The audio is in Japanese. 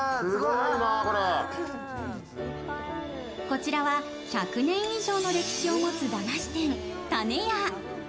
こちらは１００年以上の歴史を持つ駄菓子店・種屋。